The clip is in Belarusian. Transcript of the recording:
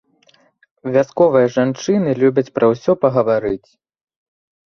Вясковыя жанчыны любяць пра ўсё пагаварыць.